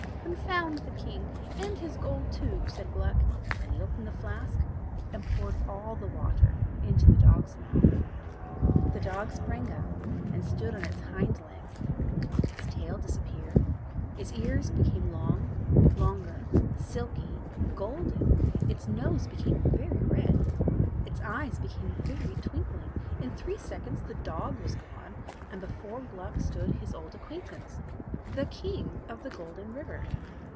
"Confound the King and his gold too," said Gluck; and he opened the flask, and poured all the water into the dog's mouth. The dog sprang up and stood on its hind legs. Its tail disappeared, its ears became long, longer, silky, golden; its nose became very red, its eyes became very twinkling; in three seconds the dog was gone, and before Gluck stood his old acquaintance, the King of the Golden River.